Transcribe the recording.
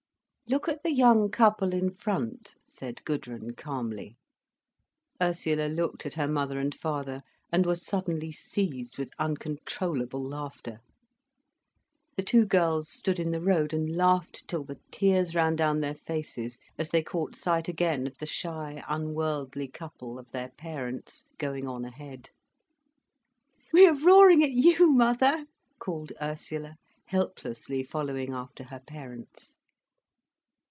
"Look at the young couple in front," said Gudrun calmly. Ursula looked at her mother and father, and was suddenly seized with uncontrollable laughter. The two girls stood in the road and laughed till the tears ran down their faces, as they caught sight again of the shy, unworldly couple of their parents going on ahead. "We are roaring at you, mother," called Ursula, helplessly following after her parents.